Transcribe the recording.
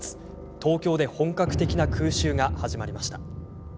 東京で本格的な空襲が始まりました。